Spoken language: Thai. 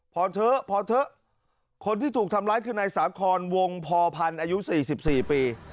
พอเถอะพอเถอะคนที่ถูกทำร้ายคือในสาขรวงพอพันธุ์อายุสี่สิบสี่ปี